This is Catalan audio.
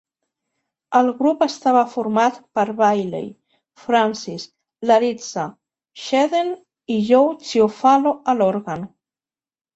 El grup estava format per Bailey, Francis, Larizza, Shedden i Joe Chiofalo a l'òrgan.